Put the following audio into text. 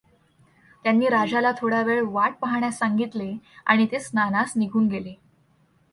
त्यांनी राजाला थोडा वेळ वाट पाहण्यास सांगितले आणि ते स्नानास निघून गेले.